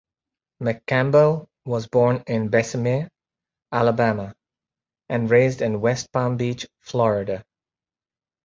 McCampbell was born in Bessemer, Alabama, and raised in West Palm Beach, Florida.